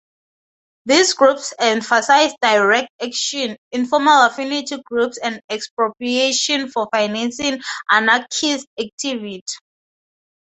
These groups emphasized direct action, informal affinity groups and expropriation for financing anarchist activity.